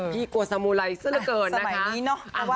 คุณผู้ชมค่ะน้องชอบนี่จริงเหรอ